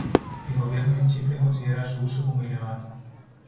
El gobierno de Chipre considera a su uso como Ilegal.